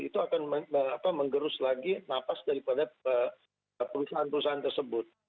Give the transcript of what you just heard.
itu akan menggerus lagi napas daripada perusahaan perusahaan tersebut